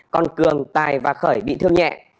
còn cường tài và khởi bị thương nhẹ